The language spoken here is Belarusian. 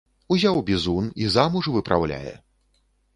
Узяў бізун і замуж выпраўляе.